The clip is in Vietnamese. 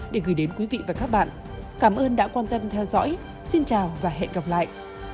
để gửi đến quý vị và các bạn cảm ơn đã quan tâm theo dõi xin chào và hẹn gặp lại